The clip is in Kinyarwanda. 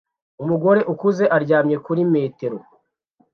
Umugore ukuze aryamye kuri metero